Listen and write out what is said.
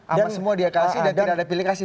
apa semua dia kasih dan tidak ada pilih kasih